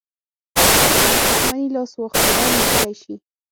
دښمني لاس واخلي او ملګری شي.